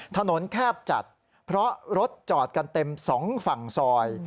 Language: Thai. แคบจัดเพราะรถจอดกันเต็มสองฝั่งซอย